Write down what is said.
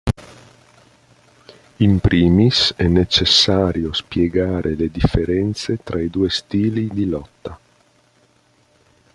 In primis è necessario spiegare le differenze tra i due stili di Lotta.